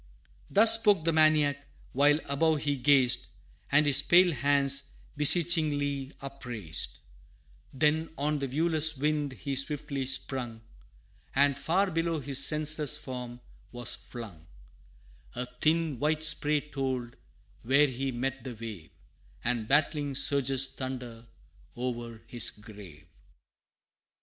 Thus spoke the maniac, while above he gazed, And his pale hands beseechingly upraised; Then on the viewless wind he swiftly sprung, And far below his senseless form was flung; A thin white spray told where he met the wave, And battling surges thunder o'er his grave!